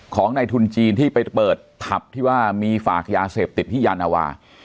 ในทุนจีนที่ไปเปิดผับที่ว่ามีฝากยาเสพติดที่ยานาวา